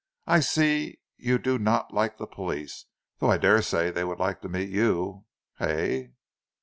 "I see you do not like the police, though I daresay they would like to meet you, hey?"